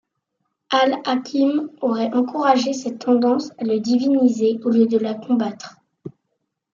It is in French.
Al-Hakîm aurait encouragé cette tendance à le diviniser, au lieu de la combattre.